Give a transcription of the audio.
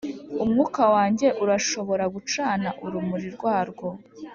umwuka wanjye urashobora gucana urumuri rwarwo